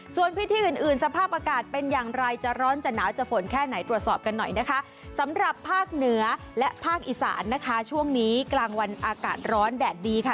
ส่วนพื้นที่อื่นอื่นสภาพอากาศเป็นอย่างไรจะร้อนจะหนาวจะฝนแค่ไหนตรวจสอบกันหน่อยนะคะสำหรับภาคเหนือและภาคอีสานนะคะช่วงนี้กลางวันอากาศร้อนแดดดีค่ะ